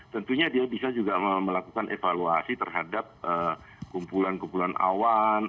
tentunya dia bisa juga melakukan evaluasi terhadap kumpulan kumpulan awan